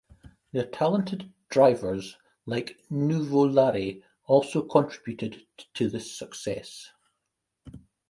Their talented drivers, like Nuvolari, also contributed to this succes.